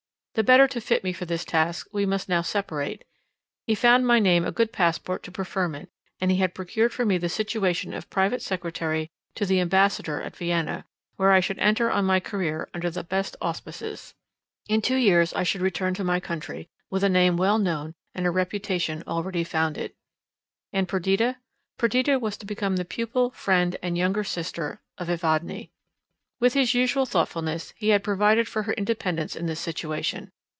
The better to fit me for this task, we must now separate. He found my name a good passport to preferment, and he had procured for me the situation of private secretary to the Ambassador at Vienna, where I should enter on my career under the best auspices. In two years, I should return to my country, with a name well known and a reputation already founded. And Perdita?—Perdita was to become the pupil, friend and younger sister of Evadne. With his usual thoughtfulness, he had provided for her independence in this situation.